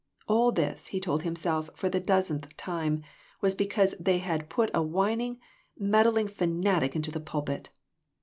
All this, he told himself for the dozenth time, was because they had put a whining, meddling fanatic into the pulpit.